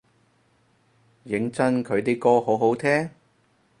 認真佢啲歌好好聽？